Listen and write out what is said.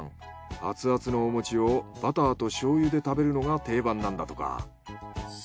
アツアツのお餅をバターと醤油で食べるのが定番なんだとか。